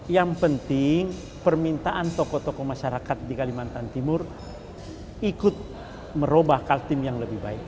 yang penting permintaan tokoh tokoh masyarakat di kalimantan timur ikut merubah kaltim yang lebih baik